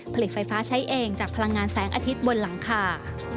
ผลิตไฟฟ้าใช้เองจากพลังงานแสงอาทิตย์บนหลังคา